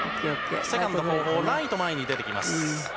セカンド後方、ライト、前に出てきます。